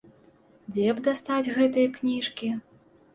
Дзе б дастаць гэтыя кніжкі?